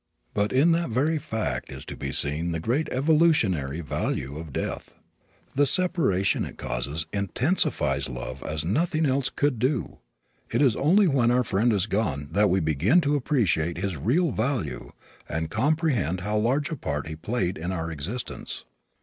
But in that very fact is to be seen the great evolutionary value of death. The separation it causes intensifies love as nothing else could do. It is only when our friend is gone that we begin to appreciate his real value and comprehend how large a part he really played in our existence.